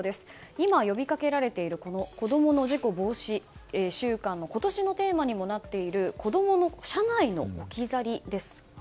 今、呼びかけられているこどもの事故防止週間の今年のテーマにもなっている子供の車内の置き去りです。